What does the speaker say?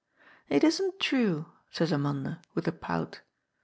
^^It isn't true," says Amanda, with a pout.